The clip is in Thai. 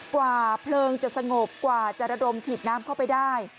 กว่าเพลิงจะสงบกว่าจะระดมฉีดน้ำเข้าไปได้